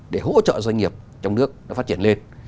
để hỗ trợ doanh nghiệp trong nước nó phát triển lên